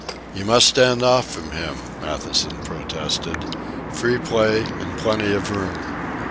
"You must stand off from him," Matthewson protested. "Free play and plenty of room."